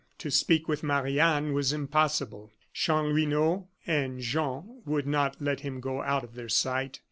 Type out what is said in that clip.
To speak with Marie Anne was impossible: Chanlouineau and Jean would not let him go out of their sight.